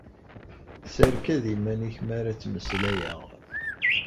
Serkad iman-ik mi ara ttmeslayeɣ.